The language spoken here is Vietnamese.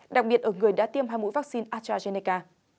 đặc biệt ở người đã tiêm hai mũi vắc xin astrazeneca